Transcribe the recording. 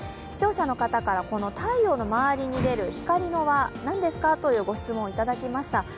視聴者の方から太陽の周りに出る光の輪、何ですかというご質問をいただきました。